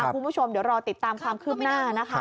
คุณผู้ชมเดี๋ยวรอติดตามความคืบหน้านะคะ